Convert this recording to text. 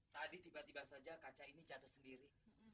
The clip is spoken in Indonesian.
tadi tiba tiba saja kaca ini jatuh sendiri